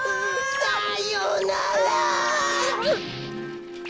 さようなら！